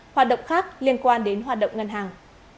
hoạt động khác liên quan đến hoạt động ngân hàng